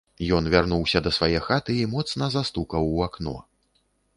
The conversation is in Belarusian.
Ён вярнуўся да свае хаты і моцна застукаў у акно.